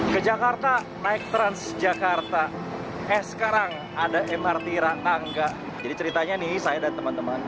ke jakarta naik transjakarta eh sekarang ada mrt angga jadi ceritanya nih saya dan teman teman